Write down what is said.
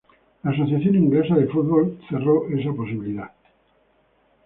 La Asociación Inglesa de Fútbol cerro esa posibilidad.